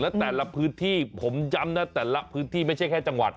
และแต่ละพื้นที่ผมย้ำนะแต่ละพื้นที่ไม่ใช่แค่จังหวัด